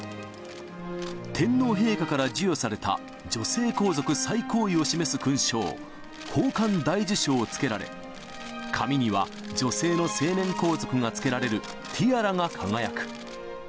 天皇陛下から授与された女性皇族最高位を示す勲章、宝冠大綬章をつけられ、髪には、女性の成年皇族がつけられるティアラが輝く。